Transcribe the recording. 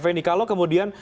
pak fendi kalau kemudian